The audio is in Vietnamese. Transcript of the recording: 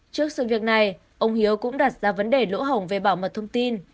trước sự việc này ông hiếu cũng đặt ra vấn đề lỗ hỏng về bảo mật thông tin